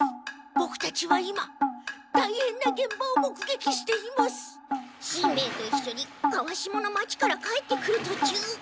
ボクたちは今たいへんな現場をもくげきしています。しんべヱといっしょに川下の町から帰ってくるとちゅう。